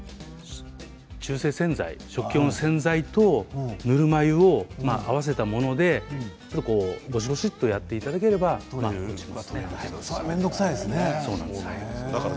中性洗剤、食器用の洗剤とぬるま湯を合わせたものでゴシゴシとやっていただければ面倒くさいですね。